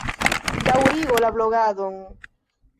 Daŭrigu la blogadon!